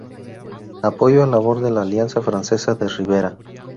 Apoyó la labor de la Alianza Francesa de Rivera.